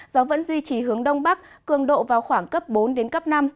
gió vẫn duy trì hướng đông bắc cường độ vào khoảng cấp bốn đến cấp năm